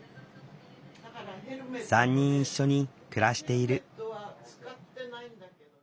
３人一緒に暮らしている。